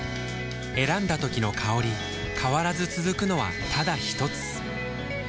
選んだ時の香り変わらず続くのはただひとつ？